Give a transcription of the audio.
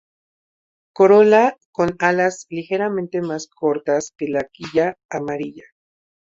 Corola con alas ligeramente más corta que la quilla, amarilla.